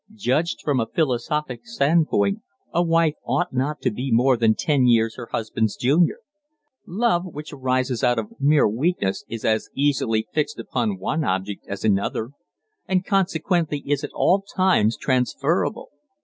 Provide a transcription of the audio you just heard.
"Judged from a philosophic standpoint a wife ought not to be more than ten years her husband's junior. Love which arises out of mere weakness is as easily fixed upon one object as another; and consequently is at all times transferable.